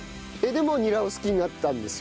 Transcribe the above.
でもニラを好きになったんですよね？